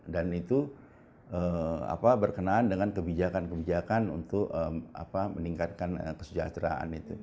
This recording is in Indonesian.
dan itu berkenaan dengan kebijakan kebijakan untuk meningkatkan kesejahteraan